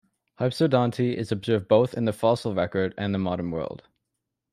Hypsodonty is observed both in the fossil record and the modern world.